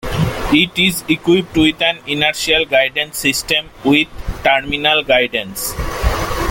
It is equipped with an inertial guidance system with terminal guidance.